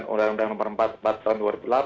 undang undang nomor empat tahun dua ribu delapan